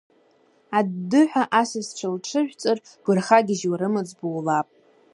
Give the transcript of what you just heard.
Аддыҳәа асасцәа лҽыжәҵыр, бырхагьежьуа рымаҵ булап.